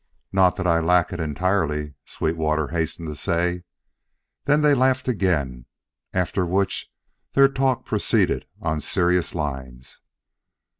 "Not that I lack it entirely," Sweetwater hastened to say. Then they laughed again after which their talk proceeded on serious lines.